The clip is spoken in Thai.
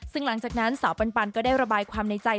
ซึ่งหลังจากนั้นสาวปันก็ได้ระบายความในใจ